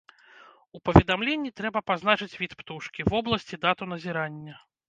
У паведамленні трэба пазначыць від птушкі, вобласць і дату назірання.